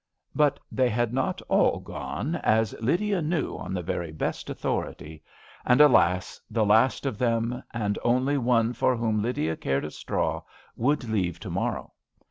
But they had not all gone, as Lydia knew on the very best authority ; and, alas I the last of them, and the only one for whom Lydia cared a straw, would leave to morrow.